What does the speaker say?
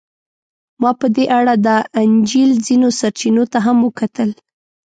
ما په دې اړه د انجیل ځینو سرچینو ته هم وکتل.